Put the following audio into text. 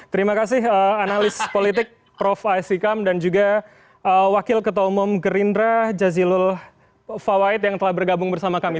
terima kasih analis politik prof aisyikam dan juga wakil ketua umum gerindra jazilul fawait yang telah bergabung bersama kami